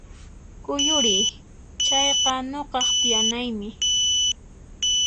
Kuyuriy! Chayqa nuqaq tiyanaymi